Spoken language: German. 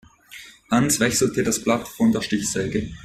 Hans wechselte das Blatt von der Stichsäge.